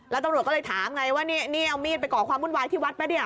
ก็ไปถามไงว่าเนี่ยเอามีดไปก่อความวุ่นวายที่วัดไหมเนี่ย